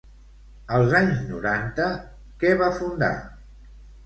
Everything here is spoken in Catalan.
Als anys noranta, què va fundar?